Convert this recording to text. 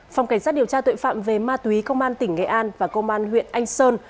phòng cảnh sát điều tra tội phạm về ma túy công an tỉnh nghệ an và công an huyện anh sơn